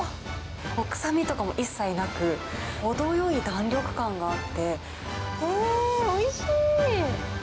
臭みとかも一切なく、程よい弾力感があって、うーん、おいしい。